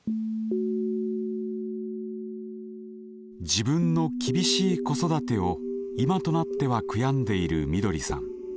自分の厳しい子育てを今となっては悔やんでいるみどりさん。